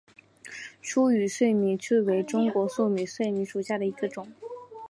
疏羽碎米蕨为中国蕨科碎米蕨属下的一个种。